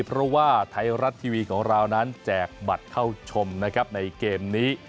เพราะว่าไทยรัฐทีวีของเรานั้นแจกบัตรเข้าชมนะครับในเกมนี้